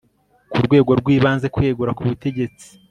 ku rwego rw ibanze kwegura kubutegetsi